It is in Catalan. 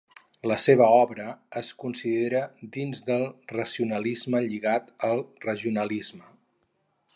La seva obra es considera dins el racionalisme lligat al regionalisme.